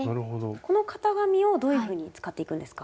この型紙をどういうふうに使っていくんですか？